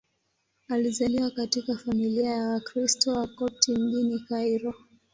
Alizaliwa katika familia ya Wakristo Wakopti mjini Kairo.